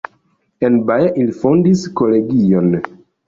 En Baja ili fondis kolegion.